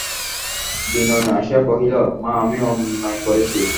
বিনয় আসিয়াই কহিল, মা, আমি অন্যায় করেছি।